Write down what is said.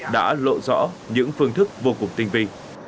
đã lộ rõ những phương thức vô cùng tinh vi